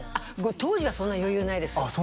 当時はそんな余裕ないですあっ